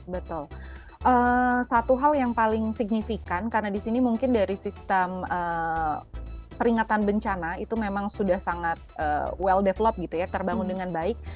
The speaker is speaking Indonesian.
betul satu hal yang paling signifikan karena di sini mungkin dari sistem peringatan bencana itu memang sudah sangat well develop gitu ya terbangun dengan baik